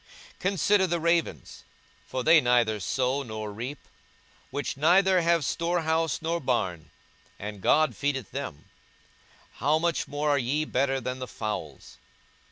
42:012:024 Consider the ravens: for they neither sow nor reap; which neither have storehouse nor barn; and God feedeth them: how much more are ye better than the fowls?